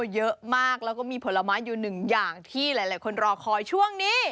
เยอะมากแล้วก็มีผลไม้อยู่หนึ่งอย่างที่หลายคนรอคอยช่วงนี้